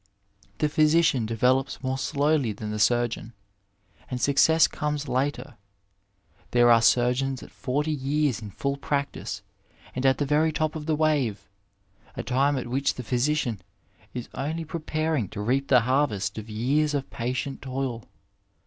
The ph}rsician develops more slowly than the su^eon, and success comes later. There are surgeons at forty years in full practice and at the very top of the wave, a time at which the physician is only Digitized by VjOOQIC INTERNAL MEDICINE AS A VOCATION preparing to reap the harvest of years of patient toil.